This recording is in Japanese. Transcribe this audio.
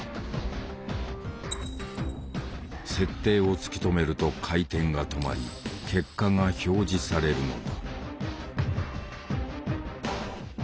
設定を突き止めると回転が止まり結果が表示されるのだ。